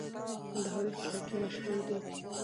کندهاري خټکی مشهور دی.